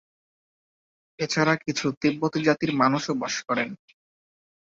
এছাড়া কিছু তিব্বতি জাতির মানুষও বাস করেন।